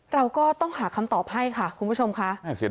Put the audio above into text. แล้วก็ต้องหาคำตอบให้คุณผู้ชมค่ะ